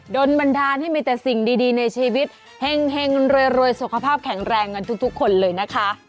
โดนบันดาลให้มีแต่สิ่งดีในชีวิตเฮ่งรวยสุขภาพแข็งแรงกันทุกคนเลยนะคะ